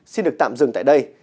xin được tạm dừng tại đây